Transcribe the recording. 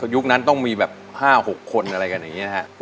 ยุคนั้นต้องมีแบบ๕๖คนอะไรกันอย่างนี้นะครับ